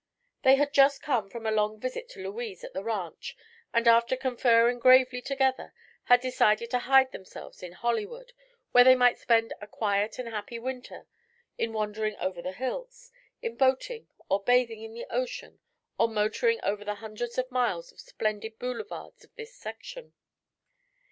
They had just come from a long visit to Louise at the ranch and after conferring gravely together had decided to hide themselves in Hollywood, where they might spend a quiet and happy winter in wandering over the hills, in boating or bathing in the ocean or motoring over the hundreds of miles of splendid boulevards of this section.